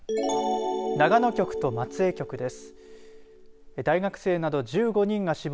長野局と松江局です。